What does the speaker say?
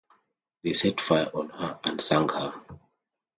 They set fire to her and sank her.